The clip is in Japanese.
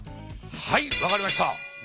はい分かりました。